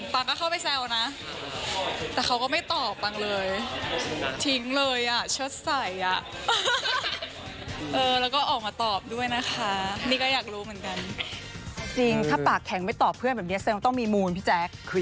ปังก็เข้าไปแซวนะแต่เขาก็ไม่ตอบปังเลย